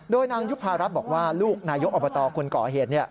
โดยนางยุภารัฐบอกว่าลูกนายกอบตคนก่อเหตุ